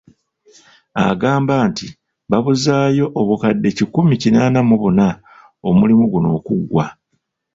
Agamba nti babuzaayo obukadde kikumi kinaana mu buna omulimu guno okuggwa.